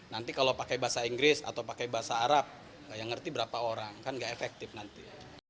nanti kalau pakai bahasa inggris atau pakai bahasa arab yang ngerti berapa orang kan nggak efektif nanti